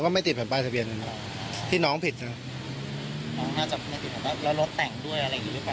น้องน่าจะไม่ผิดแล้วรถแต่งด้วยอะไรอยู่ด้วยแปลว่ะ